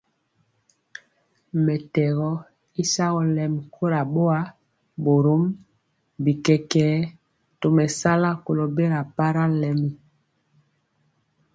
Mɛtɛgɔ y sagɔ lɛmi kora boa, borom bi kɛkɛɛ tomesala kolo bela para lɛmi.